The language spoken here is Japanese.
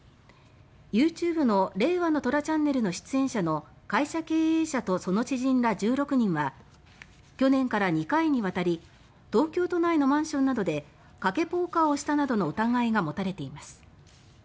ＹｏｕＴｕｂｅの「令和の虎ＣＨＡＮＮＥＬ」の出演者の会社経営者とその知人ら１６人は去年から２回にわたり東京都内のマンションなどで賭けポーカーをしたなどの疑いが持たれています。